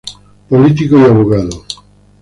Político y Abogado.